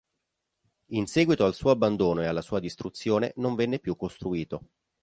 In seguito al suo abbandono e alla sua distruzione non venne più costruito.